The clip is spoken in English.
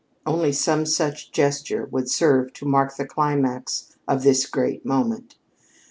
Only some such gesture would serve to mark the climax of this great moment.